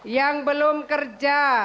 yang belum kerja